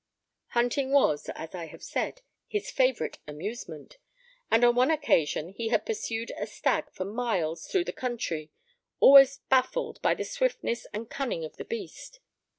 Hunting was, as I have said, his favourite amusement; and on one occasion he had pursued a stag for miles through the country, always baffled by the swiftness and cunning of the beast.